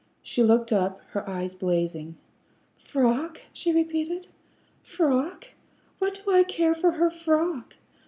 She looked up, her eyes blazing. "Frock!" she repeated. "Frock! What do I care for her frock?